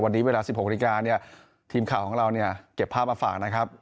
วันนี้เวลา๑๖กริกาทีมข่าวของเราเก็บภาพมาฝากนะครับ